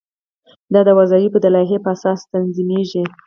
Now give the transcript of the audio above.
دا د وظایفو د لایحې په اساس تنظیمیږي.